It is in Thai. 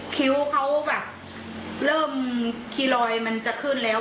คิ้วเขาแบบเริ่มคีรอยมันจะขึ้นแล้ว